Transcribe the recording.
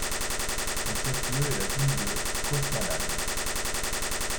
Son chef-lieu est la ville de Chos Malal.